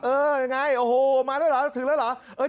ยังไงโอ้โหมาแล้วเหรอถึงแล้วเหรอ